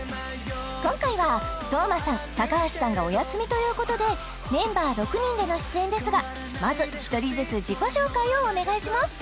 今回は冬馬さん高橋さんがお休みということでメンバー６人での出演ですがまず１人ずつ自己紹介をお願いします